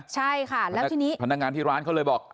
ใช่ค่ะแล้วทีนี้พนักงานที่ร้านเขาเลยบอก